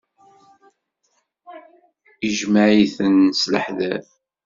Ijmeɛ-it-id s leḥder.